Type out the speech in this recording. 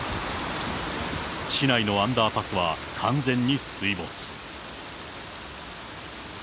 市内のアンダーパスは完全に水没。